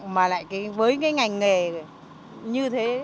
mà lại với ngành nghề như thế